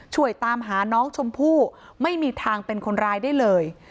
ช่วยตามหาน้องชมพู่ไม่มีทางเป็นคนร้ายได้เลย